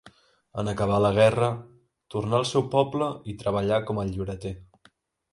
En acabar la guerra, tornà al seu poble i treballà com a llibreter.